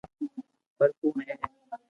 پر ڪوڻ ھي